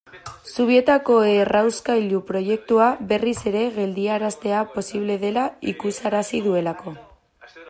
Zubietako errauskailu proiektua berriz ere geldiaraztea posible dela ikusarazi duelako.